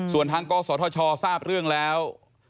ส่วนทางกศธชทราบเรื่องแล้ว